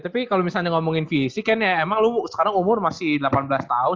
tapi kalo misalnya ngomongin fisik ya emang lu sekarang umur masih delapan belas tahun